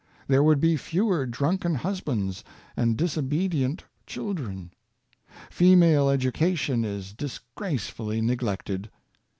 There would be fewer drunken husbands and disobedient children. Female education is dis gracefully neglected.